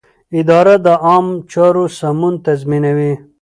اداره د عامه چارو سمون تضمینوي.